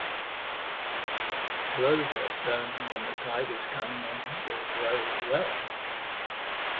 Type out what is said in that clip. Clover sown when the tide is coming in will grow well.